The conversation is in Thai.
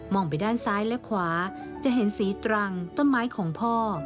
ไปด้านซ้ายและขวาจะเห็นสีตรังต้นไม้ของพ่อ